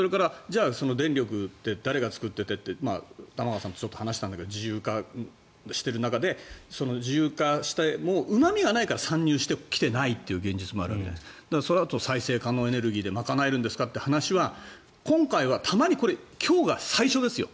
電力って誰が作っていてって玉川さんとちょっと話したんだけど自由化している中で自由化してもうまみがないから参入してきていないっていう現実もあるわけでそれはあと再生可能エネルギーで賄えるんですかって話は今回は今日が最初ですよ